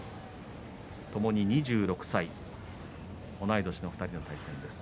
ともに２６歳同い年の２人の対戦です。